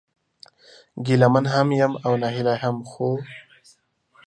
ګيله من هم يم او ناهيلی هم ، خو